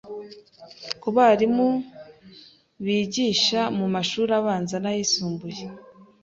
ku barimu bigisha mu mashuri abanza n’ayisumbuye